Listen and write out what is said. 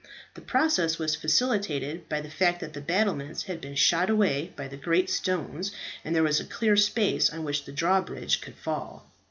The process was facilitated by the fact that the battlements had been shot away by the great stones, and there was a clear space on which the drawbridges could fall.